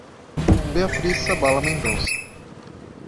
Beatriz Sabala Mendonca